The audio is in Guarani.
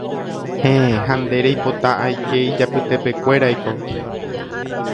Héẽ ha nde reipota aike ijapytepekuéraiko